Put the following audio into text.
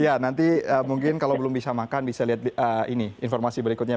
ya nanti mungkin kalau belum bisa makan bisa lihat ini informasi berikutnya